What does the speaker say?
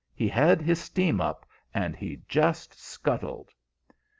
He had his steam up, and he just scuttled.